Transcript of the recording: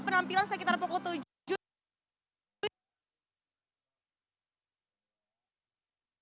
penampilan sekitar pukul tujuh